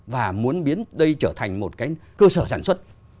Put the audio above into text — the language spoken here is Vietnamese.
và muốn biến đây trở thành một cái cơ sở sản xuất